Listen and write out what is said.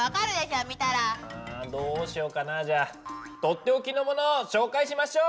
うんどうしようかなじゃあ取って置きのものを紹介しましょう！